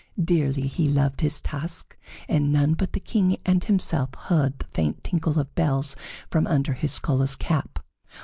Dearly he loved his task, and none but the King and himself heard the faint tinkle of bells from under his scholar's cap.